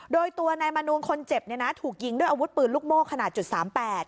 โดยตัวนายมนูลคนเจ็บเนี่ยนะถูกยิงด้วยอาวุธปืนลูกโม่ขนาดจุดสามแปด